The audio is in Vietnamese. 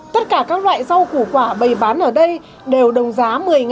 tất cả các loại rau củ quả bày bán ở đây đều đồng giá một mươi